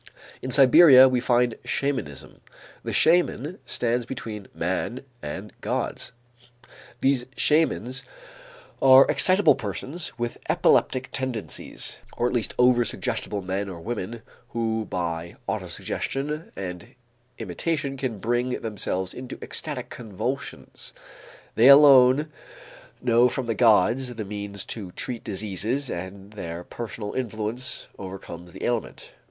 In Siberia, we find shamanism. The shaman stands between man and the gods. These shamans are excitable persons with epileptic tendencies, or at least over suggestible men or women who by autosuggestion and imitation can bring themselves into ecstatic convulsions. They alone know from the gods the means to treat diseases and their personal influence overcomes the ailment.